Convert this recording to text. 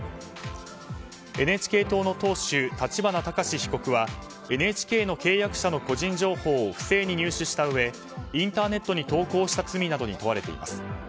ＮＨＫ党の党首、立花孝志被告はＮＨＫの契約者の個人情報を不正に入手したうえインターネットに投稿した罪などに問われています。